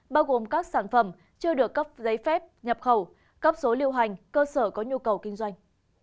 bao gồm các sản phẩm chưa được cấp giấy phép nhập khẩu cấp số lưu hành cơ sở có nhu cầu kinh doanh